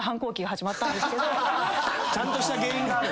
ちゃんとした原因がある。